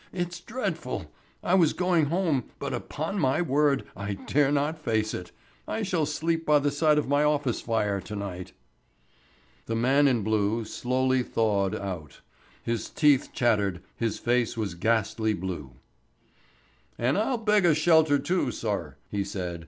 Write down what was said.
"It's dreadful. I was going home, but upon my word I dare not face it. I shall sleep by the side of my office fire to night." The man in blue slowly thawed out. His teeth chattered, his face was ghastly blue. "An' I'll beg a shelter too, sir," he said.